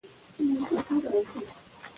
شیدې باید تل د څښلو مخکې ویشول شي.